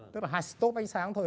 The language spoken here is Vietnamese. tức là hai stop ánh sáng thôi